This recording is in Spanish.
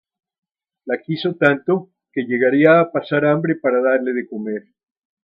Lo quiso tanto que llegaría a pasar hambre para darle de comer.